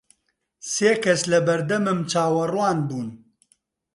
سێ کەس لە بەردەمم چاوەڕوان بوون.